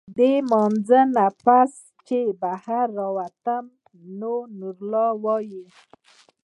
د مانځۀ نه پس چې بهر راووتم نو نورالله وايي